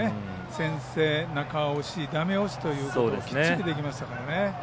先制、中押しダメ押しということできっちりできましたから。